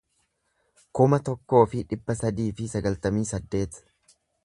kuma tokkoo fi dhibba sadii fi sagaltamii saddeet